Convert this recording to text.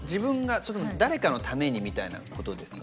それとも誰かのためにみたいなことですか？